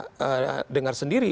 eeem dengar sendiri